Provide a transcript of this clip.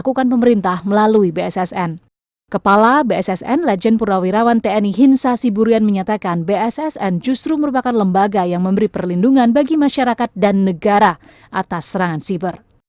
kepala bssn lejen purnawirawan tni hinsa siburian menyatakan bssn justru merupakan lembaga yang memberi perlindungan bagi masyarakat dan negara atas serangan siber